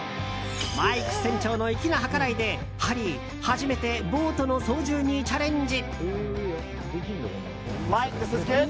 マイク船長の粋な計らいでハリー、初めてボートの操縦にチャレンジ。